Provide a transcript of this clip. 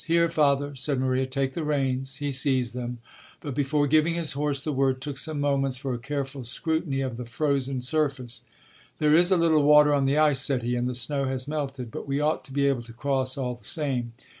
"Here, father," said Maria, "take the reins!" He seized them, but before giving his horse the word, took some moments for a careful scrutiny of the frozen surface. "There is a little water on the ice," said he, "and the snow has melted; but we ought to be able to cross all the same.